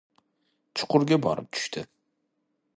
Chuqurga borib tushdi.